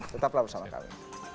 tetaplah bersama kami